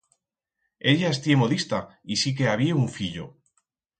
Ella estié modista y sí que habié un fillo.